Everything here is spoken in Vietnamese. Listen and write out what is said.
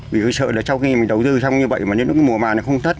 vì sợ là sau khi mình đầu tư xong như vậy mà những mùa màn nó không tất